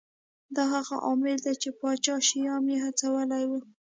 دا هغه عامل دی چې پاچا شیام یې هڅولی و.